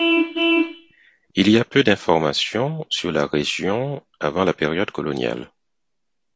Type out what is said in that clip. Il y a peu d'informations sur la région avant la période coloniale.